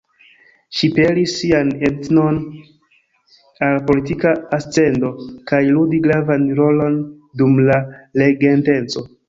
Ŝi pelis sian edzon al politika ascendo kaj ludi gravan rolon dum la Regenteco.